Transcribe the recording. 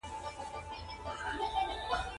اوړي تېر شي نو اسپې به در باندې خرڅوم